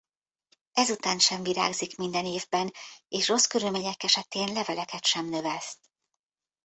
Ezután sem virágzik minden évben és rossz körülmények esetén leveleket sem növeszt.